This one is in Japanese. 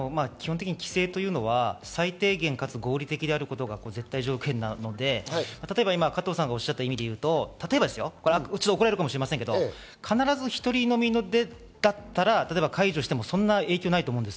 規制というのは、最低限かつ合理的であることが絶対条件なので、加藤さんがおっしゃった意味で言うと例えば、怒られるかもしれませんけど必ず１人飲みだったら解除してもそんなに影響ないと思うんです。